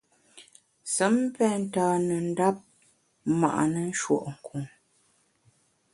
Sem pen ntane ndap ma’ne nshùe’nkun.